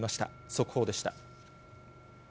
速報でした。